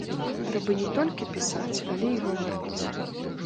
Трэба не толькі пісаць, але і гаварыць.